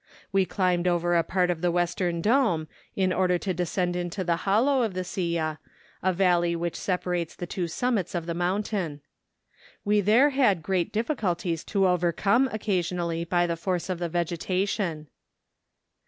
We climbed over a part of the western dome, in order to descend into the hollow of the Silla, a valley which separates the two sum¬ mits of the mountain. We there had great diffi¬ culties to overcome, occasionally by the force of the vegetation.